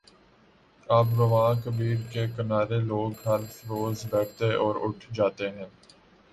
آب روان کبیرکے کنارے لوگ ہر روز بیٹھتے اور اٹھ جاتے ہیں۔